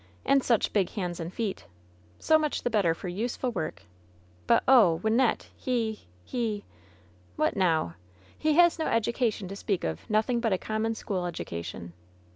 '' "And such big hands and feet ^^ "So much the better for useful worf "But, oh! Wynnette, he— he '' 'What now?" "He has no education to speak of — ^nothing but a com mon school education